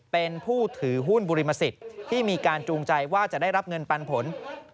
เป็นผู้ถือหุ้นบุริมสิทธิ์ที่มีการจูงใจว่าจะได้รับเงินปันผล